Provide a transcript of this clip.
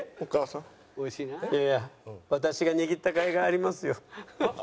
いやいや私が握った甲斐がありますよ。